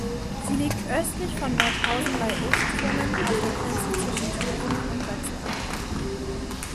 Sie liegt östlich von Nordhausen bei Uftrungen, auf der Grenze zwischen Thüringen und Sachsen-Anhalt.